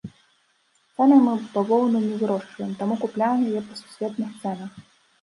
Самі мы бавоўну не вырошчваем, таму купляем яе па сусветных цэнах.